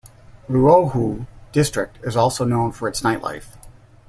Luohu district is also known for its nightlife.